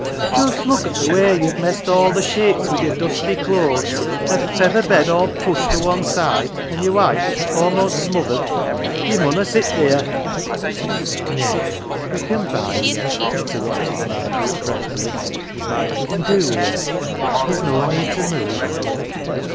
" Just look at the way ye've messed all th' sheets wi' your dusty clothes ! An' feather bed all pushed o' wan side, an' your wife a'most smothered. Ye munna sit theer." " Nay, he can bide," interrupted Margery, fretfully, " I can do wi' him ; he's no need to move."